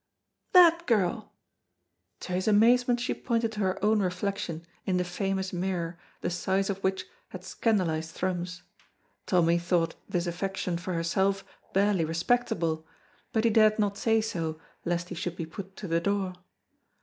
"That girl." To his amazement she pointed to her own reflection in the famous mirror the size of which had scandalized Thrums. Tommy thought this affection for herself barely respectable, but he dared not say so lest he should be put to the door.